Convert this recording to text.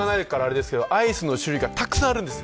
アイスの種類がたくさんあるんです。